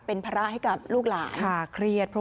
ตอนนี้ก็เพิ่งที่จะสูญเสียคุณย่าไปไม่นาน